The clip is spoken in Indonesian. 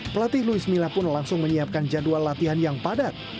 pelatih luis mila pun langsung menyiapkan jadwal latihan yang padat